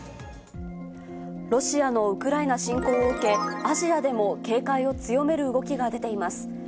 ロシアのウクライナ侵攻を受け、アジアでも警戒を強める動きが出ています。